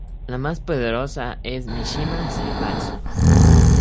La más poderosa es Mishima Zaibatsu.